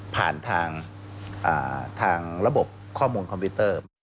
ผ่านทางระบบข้อมูลคอมพิวเตอร์